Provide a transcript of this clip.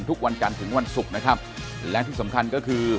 ทุกวันจันทร์ถึงวันศุกร์นะครับและที่สำคัญก็คือ